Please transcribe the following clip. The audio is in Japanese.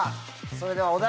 それではお題